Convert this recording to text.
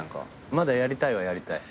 まだやりたいはやりたい？